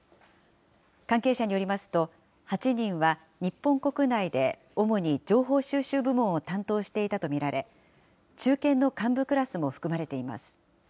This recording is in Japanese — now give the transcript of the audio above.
関係者によりますと、８人は日本国内で、主に情報収集部門を担当していたと見られ、中堅の幹部クラスも含まれています。